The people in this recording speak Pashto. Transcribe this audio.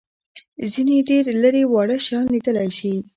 ځینې ډېر لېري واړه شیان لیدلای شي.